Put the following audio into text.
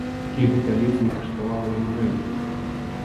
І гэта ледзь не каштавала яму рэйтынгу!